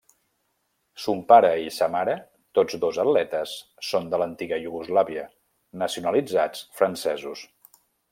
Son pare i sa mare, tots dos atletes, són de l'antiga Iugoslàvia nacionalitzats francesos.